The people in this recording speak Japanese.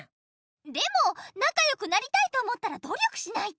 でもなかよくなりたいと思ったら努力しないと。